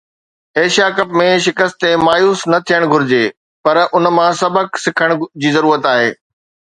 Asia cup ۾ شڪست تي مايوس نه ٿيڻ گهرجي پر ان مان سبق سکڻ جي ضرورت آهي